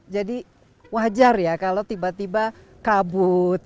jadi wajar ya kalau tiba tiba kabut